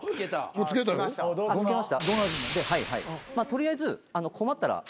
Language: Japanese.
取りあえず困ったら。